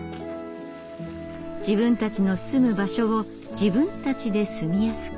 自分たちの住む場所を自分たちで住みやすく。